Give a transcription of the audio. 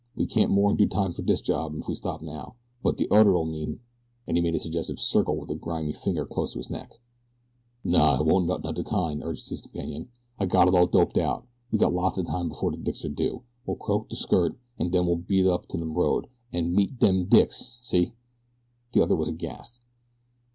"We can't more'n do time fer dis job if we stop now; but de udder'll mean " and he made a suggestive circle with a grimy finger close to his neck. "No it won't nothin' of de kind," urged his companion. "I got it all doped out. We got lots o' time before de dicks are due. We'll croak de skirt, an' den we'll beat it up de road AN' MEET DE DICKS see?" The other was aghast.